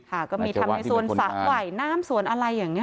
ก็มีทำในสวนสระไหวน้ำสวนอะไรอย่างนี้